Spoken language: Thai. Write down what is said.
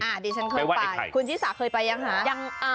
อ่าดิฉันเคยไปคุณชินิสาเคยไปยังหรอไปวัดไอ้ไข่